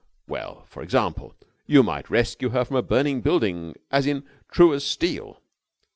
_" "Well, for example, you might rescue her from a burning building as in 'True As Steel'...."